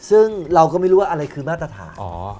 ซึ่งเราก็ไม่รู้ว่าอะไรคือมาตรฐาน